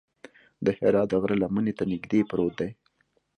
د حرا د غره لمنې ته نږدې پروت دی.